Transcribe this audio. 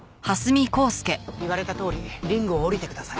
言われたとおりリングを下りてください。